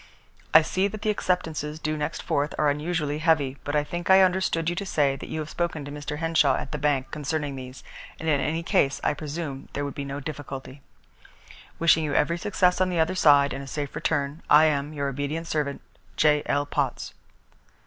"I see that the acceptances due next 4th are unusually heavy, but I think I understood you to say that you had spoken to Mr. Henshaw at the bank concerning these, and in any case I presume there would be no difficulty. "Wishing you every success on the other side, and a safe return, "I am, "Your obedient servant, "J.L. POTTS."